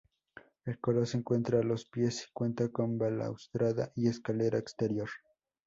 El coro se encuentra a los pies y cuenta con balaustrada y escalera exterior.